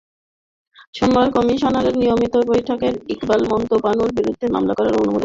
সোমবার কমিশনের নিয়মিত বৈঠকে ইকবাল মান্দ বানুর বিরুদ্ধে মামলা করার অনুমোদন দেয় কমিশন।